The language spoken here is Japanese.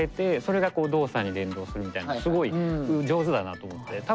すごい上手だなと思って。